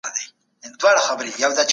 ټولنيزي اړيکي بايد سمي سي.